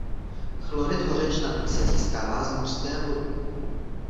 Chlorid hořečnatý se získává z mořské vody.